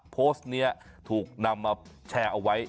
โพสต์นี้ถูกนำมาแชร์เอาไว้